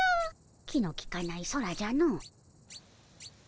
気のきかない空じゃの。